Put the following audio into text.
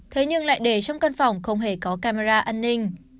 thế nhưng lại để trong căn phòng không hề có camera an ninh